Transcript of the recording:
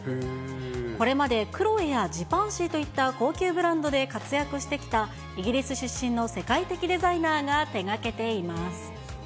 これまでクロエやジバンシィといった高級ブランドで活躍してきた、イギリス出身の世界的デザイナーが手がけています。